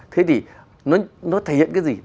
thế thì nó thể hiện cái gì